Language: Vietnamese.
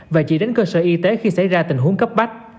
và chỉ đến cơ sở y tế khi xảy ra tình huống cấp bách